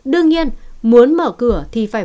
đương nhiên muốn mở cửa thì phải